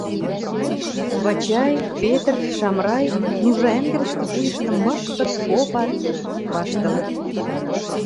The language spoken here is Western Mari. Вачай, Петр, Шамрай Нужа ӓнгӹрӹштӹ вуйыштым мышкыт, попат, ваштылыт.